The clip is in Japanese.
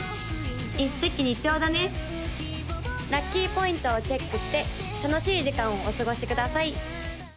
・一石二鳥だね・ラッキーポイントをチェックして楽しい時間をお過ごしください！